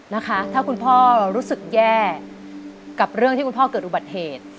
นะคะถ้าคุณพ่อรู้สึกแย่กับเรื่องที่คุณพ่อเกิดอุบัติเหตุ